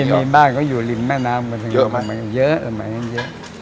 มีบ้านก็อยู่ริมแม่น้ำเยอะไหมเยอะหมายถึงเยอะ